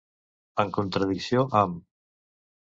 En contradicció amb.